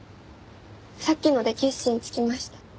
さっきので決心つきました。